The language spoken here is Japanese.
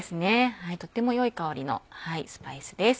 とてもよい香りのスパイスです。